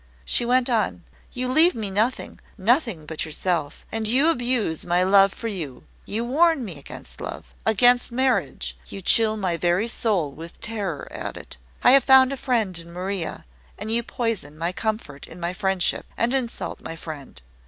She went on "You leave me nothing nothing but yourself and you abuse my love for you. You warn me against love against marriage you chill my very soul with terror at it. I have found a friend in Maria; and you poison my comfort in my friendship, and insult my friend.